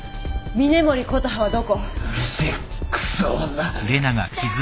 峰森琴葉はどこ？